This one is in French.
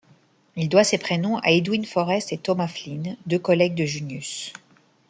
Il doit ses prénoms à Edwin Forrest et Thomas Flynn, deux collègues de Junius.